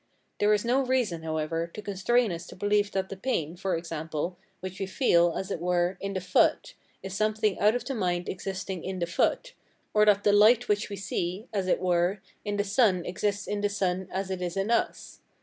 There is no reason, however, to constrain us to believe that the pain, for example, which we feel, as it were, in the foot is something out of the mind existing in the foot, or that the light which we see, as it were, in the sun exists in the sun as it is in us.